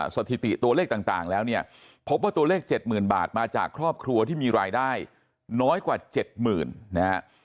สถิติตัวเลขต่างแล้วเนี่ยพบว่าตัวเลข๗๐๐๐บาทมาจากครอบครัวที่มีรายได้น้อยกว่า๗๐๐นะฮะ